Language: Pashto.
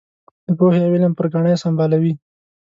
د پوهې او علم پر ګاڼه یې سمبالوي.